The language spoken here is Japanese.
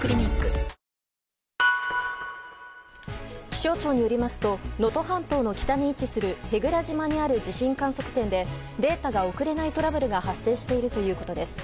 気象庁によりますと能登半島の北に位置する舳倉島にある地震観測点でデータが送れないトラブルが発生しているということです。